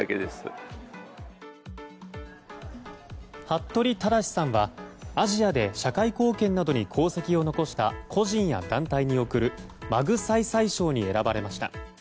服部匡志さんはアジアで社会貢献などに功績を残した個人や団体に贈るマグサイサイ賞に選ばれました。